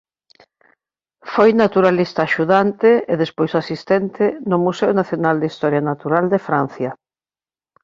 Foi naturalista axudante e despois asistente no Museo Nacional de Historia Natural de Francia.